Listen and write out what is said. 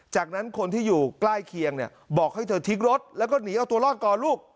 จากนั้นคนที่อยู่ใกล้เคียงเนี่ยบอกให้เธอทิ้งรถแล้วก็หนีเอาตัวรอดก่อนลูก